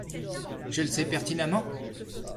je le sais pertinemment.